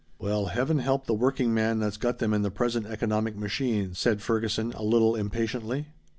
"Well Heaven help the working man that's got them in the present economic machine," said Ferguson a little impatiently.